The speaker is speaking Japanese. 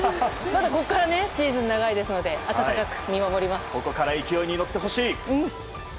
まだここからシーズン長いですのでここから勢いに乗ってほしい。